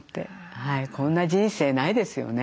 こんな人生ないですよね。